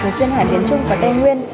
thuộc xuyên hải biến trung và tây nguyên